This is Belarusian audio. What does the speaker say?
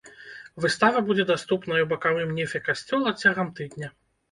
Выстава будзе даступная ў бакавым нефе касцёла цягам тыдня.